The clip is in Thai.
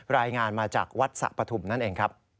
รายงานมาจากวัดสะปฐุมนั่นเองครับ